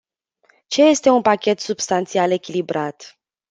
Ce este un pachet substanțial echilibrat?